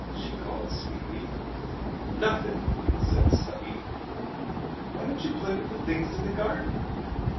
she called sweetly. "Nuffin'," said Stubby. "Why don't you play with the things in the garden?"